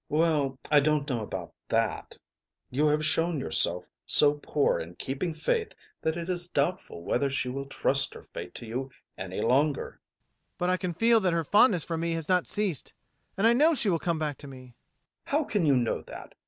Well, I don't know about that. You have shown yourself so poor in keeping faith that it is doubtful whether she will trust her fate to you any longer. MAURICE. But I can feel that her fondness for me has not ceased, and I know she will come back to me. ADOLPHE. How can you know that?